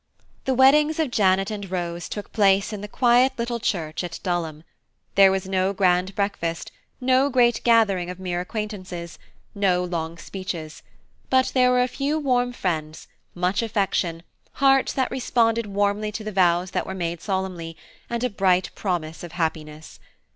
The weddings of Janet and Rose took place in the quiet little church at Dulham; there was no grand breakfast, no great gathering of mere acquaintances, no long speeches–but there were a few warm friends, much affection, hearts that responded warmly to the vows that were made solemnly, and a bright promise of happiness.